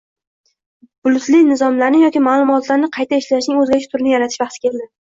bulutli nizomlarni yoki maʼlumotlarni qayta ishlashning oʻzgacha turini yaratish vaqti keldi.